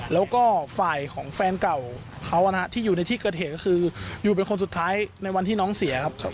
แล้วก็ฝ่ายของแฟนเก่าเขานะฮะที่อยู่ในที่เกิดเหตุก็คืออยู่เป็นคนสุดท้ายในวันที่น้องเสียครับ